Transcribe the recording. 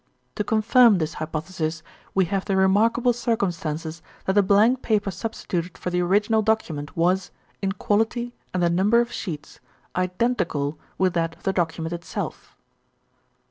To confirm this hypothesis we have the remarkable circumstances that the blank paper substituted for the original document was, in quality and the number of sheets, identical with that of the document itself."